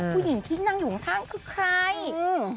ผู้หญิงที่นั่งอยู่ข้างคือใครอืม